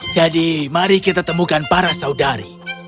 jadi mari kita temukan para saudari